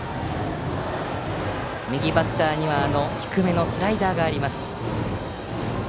右バッターには低めのスライダーがあります。